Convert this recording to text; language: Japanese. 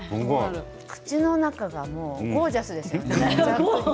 口の中がもうゴージャスですよね。